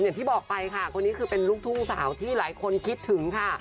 อย่างที่บอกไปค่ะคนนี้คือเป็นลูกทุ่งสาวที่หลายคนคิดถึงค่ะ